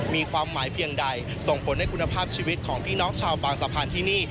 มีความหมายเพียงใดส่งผลให้คุณภาพชีวิตของพี่น้องชาวบางสะพานที่นี่